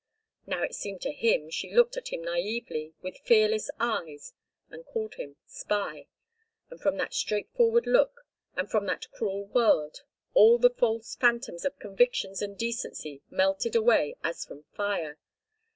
Now it seemed to him she looked at him naïvely, with fearless eyes and called him "spy"—and from that straightforward look, and from that cruel word, all the false phantoms of convictions and decency melted away as from fire.